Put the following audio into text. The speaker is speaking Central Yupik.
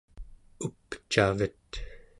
upcavet